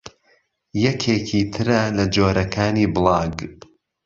یەکێکی ترە لە جۆرەکانی بڵاگ